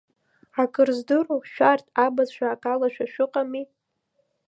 Акыр здыруоу, шәарҭ абацәа акалашәа шәыҟами.